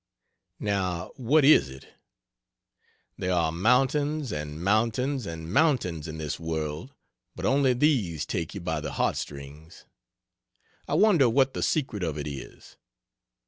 Now what is it? There are mountains and mountains and mountains in this world but only these take you by the heart strings. I wonder what the secret of it is.